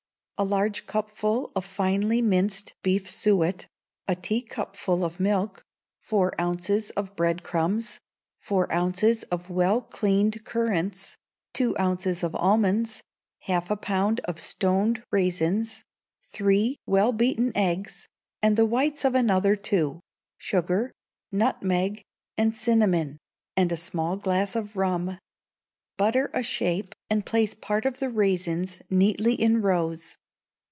A large cupful of finely minced beef suet, a teacupful of milk, four ounces of bread crumbs, four ounces of well cleaned currants, two ounces of almonds, half a pound of stoned raisins, three well beaten eggs, and the whites of another two; sugar, nutmeg, and cinnamon, and a small glass of rum. Butter a shape, and place part of the raisins neatly in rows.